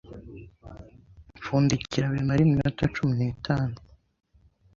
Pfundikira bimare iminota cumi nitanu